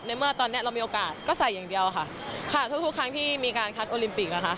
เมื่อตอนเนี้ยเรามีโอกาสก็ใส่อย่างเดียวค่ะค่ะทุกทุกครั้งที่มีการคัดโอลิมปิกอะค่ะ